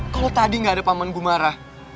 kalau tadi gak ada paman gumara